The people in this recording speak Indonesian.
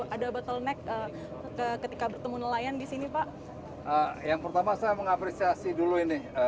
ada bottleneck ketika bertemu nelayan di sini pak yang pertama saya mengapresiasi dulu ini